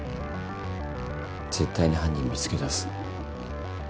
絶対に犯人見つけだす。